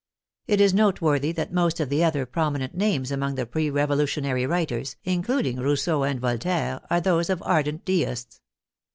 It is noteworthy that most of the other prominent names among the pre revolutionary writers, including Rousseau and Voltaire, are those of ardent deists.